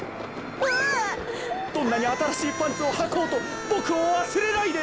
どんなにあたらしいパンツをはこうとボクをわすれないで。